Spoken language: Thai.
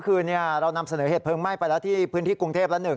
เมื่อคืนเรานำเสนอเหตุเพลิงไหม้ไปแล้วที่พื้นที่กรุงเทพฯละ๑นะครับ